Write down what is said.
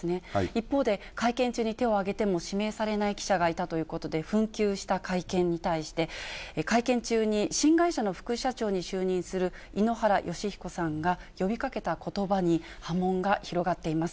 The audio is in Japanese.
一方で、会見中に手を挙げても指名されない記者がいたということで紛糾した会見に対して、会見中に、新会社の副社長に就任する井ノ原快彦さんが呼びかけたことばに、波紋が広がっています。